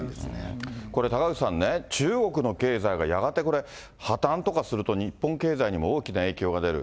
これ高口さんね、中国の経済がやがてこれ破綻とかすると、日本経済にも大きな影響が出る。